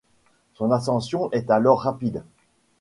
Son ascension est alors rapide.